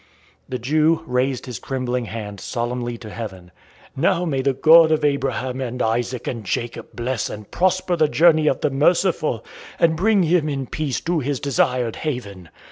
The Jew raised his trembling hands solemnly to heaven. "Now may the God of Abraham and Isaac and Jacob bless and prosper the journey of the merciful, and bring him in peace to his desired haven.